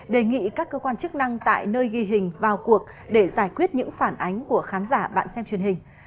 đề nghị các cơ quan chức năng tại nơi ghi hình vào cuộc để giải quyết những phản ánh của khán giả bạn xem truyền hình